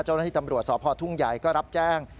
เจ้าหน้าที่ตำรวจสพทุ่งใหญ่ก็รับแจ้ง